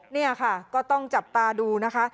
นี่ค่ะก็ต้องจับตาดูนะคะ